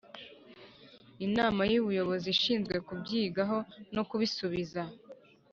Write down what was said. Inama y’ubuyobozi ishinzwe kubyingaho no kubisubiza